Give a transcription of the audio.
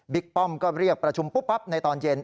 บิ๊กป้อมก็เรียกประชุมปุ๊บในตอนเย็น